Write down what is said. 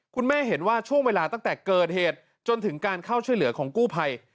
เห็นว่าช่วงเวลาตั้งแต่เกิดเหตุจนถึงการเข้าช่วยเหลือของกู้ภัย